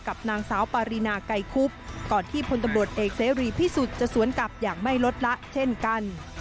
กับนางสาวปารีนาไกรคุบก่อนที่พลตำรวจเอกเสรีพิสุทธิ์จะสวนกลับอย่างไม่ลดละเช่นกัน